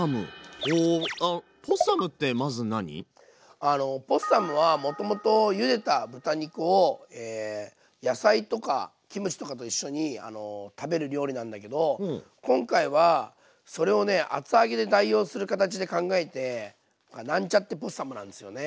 おあのポッサムはもともとゆでた豚肉を野菜とかキムチとかと一緒に食べる料理なんだけど今回はそれをね厚揚げで代用するかたちで考えてなんちゃってポッサムなんですよね。